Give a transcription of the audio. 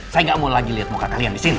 saya gak mau lagi lihat muka kalian di sini